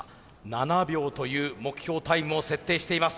７秒という目標タイムを設定しています。